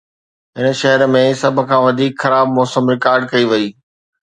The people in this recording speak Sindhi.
هن شهر ۾ سڀ کان وڌيڪ خراب موسم رڪارڊ ڪئي وئي